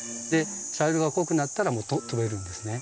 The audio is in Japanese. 茶色が濃くなったらもう飛べるんですね。